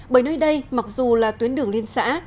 bởi nơi đây mặc dù là tuyến đường liên xã